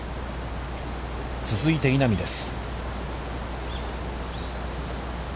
続いて稲見です。